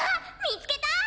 みつけた！